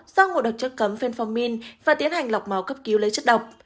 do ngộ độc chất cấm venformin và tiến hành lọc máu cấp cứu lấy chất độc